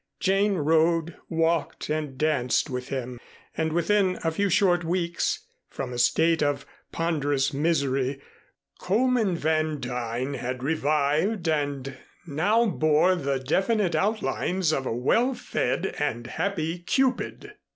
Jane rode, walked, and danced with him, and within a few short weeks, from a state of ponderous misery Coleman Van Duyn had revived and now bore the definite outlines of a well fed and happy cupid.